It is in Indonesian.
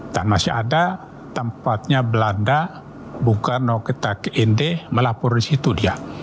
dan masih ada tempatnya belanda bung karno kita ke nd melapor di situ dia